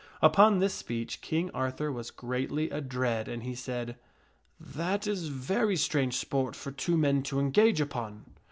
Upon this speech King Arthur was greatly a dread and he said, " That is very strange sport for two men to engage upon."